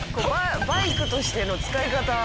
バイクとしての使い方。